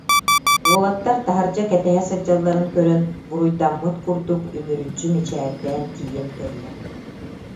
Уолаттар таһырдьа кэтэһэ сылдьалларын көрөн, буруйдаммыт курдук үмүрүччү мичээрдээн тиийэн кэллэ: